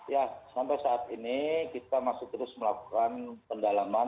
ya sampai saat ini kita masih terus melakukan pendalaman